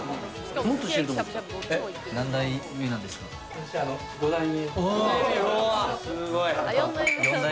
私五代目。